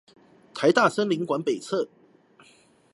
臺大森林館北側